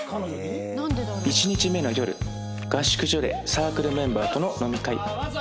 １日目の夜合宿所でサークルメンバーとの飲み会